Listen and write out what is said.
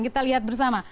kita lihat bersama